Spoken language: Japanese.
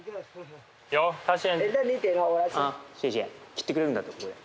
切ってくれるんだってここで。